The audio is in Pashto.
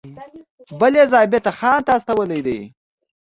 بل یې ضابطه خان ته استولی دی.